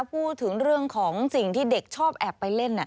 พูดถึงเรื่องของสิ่งที่เด็กชอบแอบไปเล่น